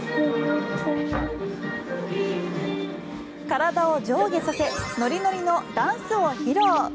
体を上下させノリノリのダンスを披露。